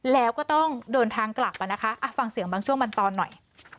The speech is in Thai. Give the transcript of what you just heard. แล้วก็ต้องเดินทางกลับมานะคะฟังเสียงบางช่วงบางตอนหน่อย